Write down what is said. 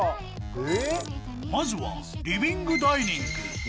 まずはリビングダイニング